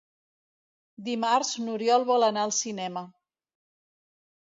Dimarts n'Oriol vol anar al cinema.